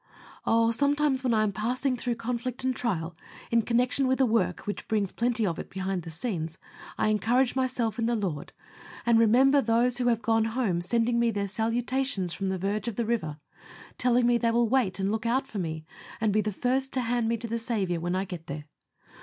Oh! sometimes, when I am passing through conflict, and trial, in connection with a work which brings plenty of it behind the scenes, I encourage myself in the Lord, and remember those who have gone home sending me their salutations, from the verge of the river, telling me they will wait and look out for me, and be the first to hand me to the Saviour when I get there.